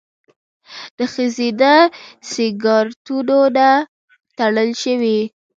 د ښځینه سینګارتونونه تړل شوي؟